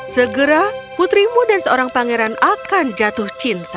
segera putrimu dan seorang pangeran akan jatuh cinta